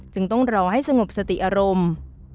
ต้องรอให้สงบสติอารมณ์